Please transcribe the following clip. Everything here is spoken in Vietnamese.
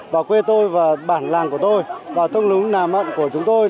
và quê tôi và bản làng của tôi và thông lúng nàm mận của chúng tôi